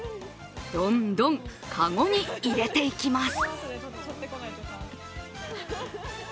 どんどん籠に入れていきます。